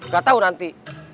gak tau nanti